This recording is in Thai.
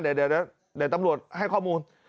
เดี๋ยวตำรวจให้ข้อมูล